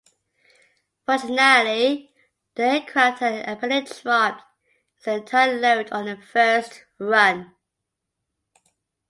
Fortunately, the aircraft had apparently dropped its entire load on the first run.